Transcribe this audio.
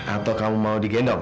atau kamu mau digendong